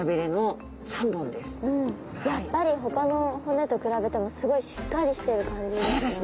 やっぱりほかの骨と比べてもすごいしっかりしてる感じですね。